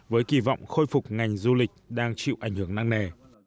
với kỳ vọng khôi phục ngành du lịch đang chịu ảnh hưởng nặng nề